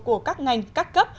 của các ngành các cấp